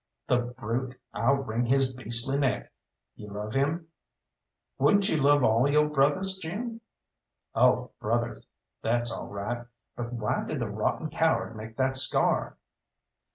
"The brute! I'll wring his beastly neck! You love him?" "Wouldn't you love all yo' brothers, Jim?" "Oh, brothers that's all right. But why did the rotten coward make that scar?"